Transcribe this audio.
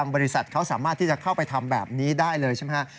บริษัทเขาสามารถที่จะเข้าไปทำแบบนี้ได้เลยใช่ไหมครับ